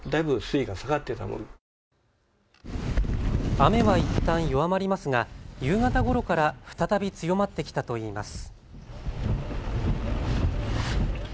雨はいったん弱まりますが夕方ごろから再び強まってきたといいます。